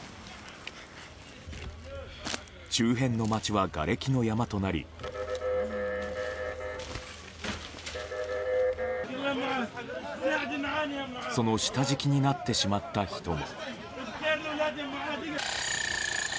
周辺の街はがれきの山となりその下敷きになってしまった人も。